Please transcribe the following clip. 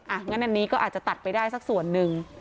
งั้นอันนี้ก็อาจจะตัดไปได้สักส่วนหนึ่ง